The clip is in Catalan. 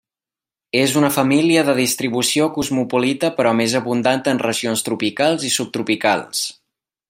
És una família de distribució cosmopolita però més abundant en regions tropicals i subtropicals.